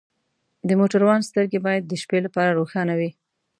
د موټروان سترګې باید د شپې لپاره روښانه وي.